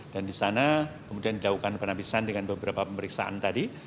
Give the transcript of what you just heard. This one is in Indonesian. dan di sana kemudian didahukan penapisan dengan beberapa pemeriksaan tadi